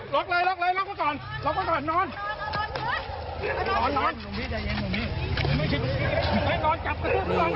โด้งหน่อยระลังไปหน้านี้